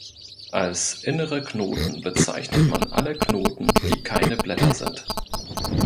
Als "innere Knoten" bezeichnet man alle Knoten, die keine Blätter sind.